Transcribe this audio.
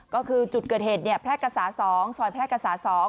ก็คือจุดเกิดเหตุแพร่กษา๒ซอยแพร่กษา๒